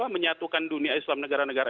menyatukan dunia islam negara negara